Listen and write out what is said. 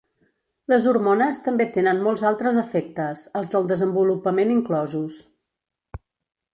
Les hormones també tenen molts altres efectes, els del desenvolupament inclosos.